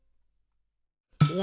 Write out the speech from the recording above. いや。